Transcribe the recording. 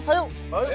aduh aduh aduh